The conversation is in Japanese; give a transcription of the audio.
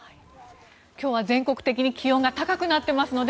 今日は全国的に気温が高くなっていますので